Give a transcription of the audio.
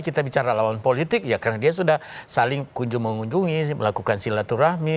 kita bicara lawan politik ya karena dia sudah saling kunjung mengunjungi melakukan silaturahmi